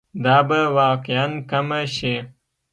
دا به واقعاً کمه شي.